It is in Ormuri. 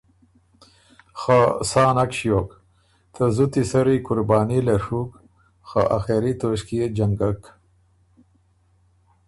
خه سا نک ݭیوک، ته زُتی سری قرباني لې ڒُوک خه آخېري توݭکيې جنګک